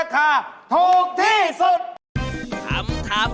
ของพี่ถูกกว่าครับ